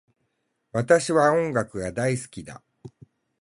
私は音楽が大好きだ